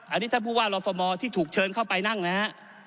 อันนี้ท่านผู้ว่ารฟมที่ถูกเชิญเข้าไปนั่งนะฮะ